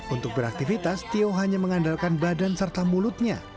untuk beraktivitas tio hanya mengandalkan badan serta mulutnya